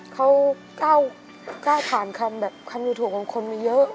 เขาก้าวผ่านคำอยู่ถูกของคนมาเยอะ